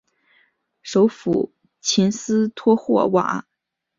首府琴斯托霍瓦。